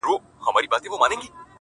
مینه یې شته خو چې بدنام نه شي